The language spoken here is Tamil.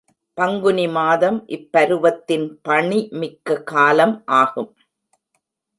பங்குனி மாதம் இப் பருவத்தின் பணி மிக்க காலம் ஆகும்.